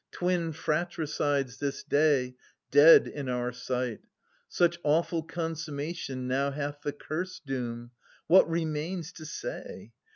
Twin fratricides this day Dead in our sight ! Such awful consummation [850 Now hath the curse doom. What remains to say